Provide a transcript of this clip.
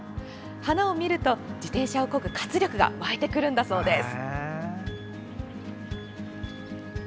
花を見ると、自転車をこぐ活力が湧いてくるんだそうです。